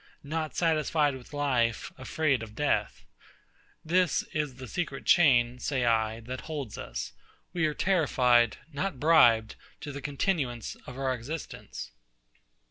Not satisfied with life, afraid of death. This is the secret chain, say I, that holds us. We are terrified, not bribed to the continuance of our existence.